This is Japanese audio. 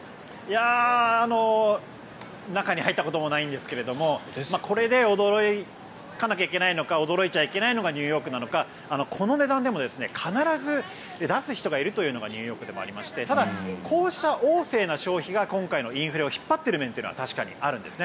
中に入ったこともないんですけどもこれで驚かなきゃいけないのか驚いちゃいけないのがニューヨークなのがこの値段でも必ず出す人がいるというのがニューヨークでもありましてこうした旺盛な消費が今回のインフレを引っ張っている面が確かにあるんです。